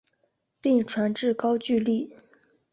并传至高句丽。